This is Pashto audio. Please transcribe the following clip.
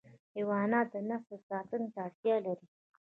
حیوانات د نسل ساتنه ته اړتیا لري.